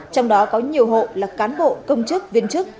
trong đó có nhiều hộ là cán bộ công chức viên chức